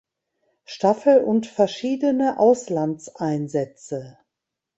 Staffel und verschiedene Auslandseinsätze.